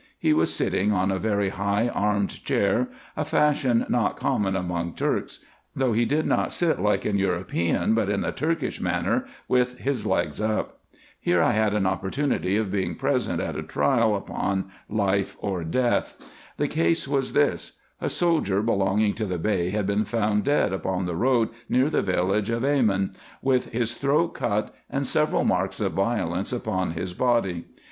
He was sitting on a very high armed chair, a fashion not common among Turks ; though he did not sit like an European, but in the Turkish manner, with his legs up. Here I had an opportunity of being present at a trial IN EGYPT, NUBIA, kc. 285 upon life or death. The case was tliis : a soldier belonging to the Bey had been found dead upon the road near the village of Acmin, with his throat cut, and several marks of violence upon his body.